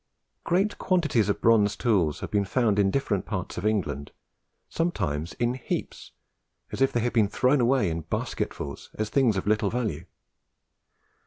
Great quantities of bronze tools have been found in different parts of England, sometimes in heaps, as if they had been thrown away in basketfuls as things of little value.